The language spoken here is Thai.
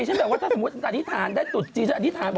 สวัสดีครับ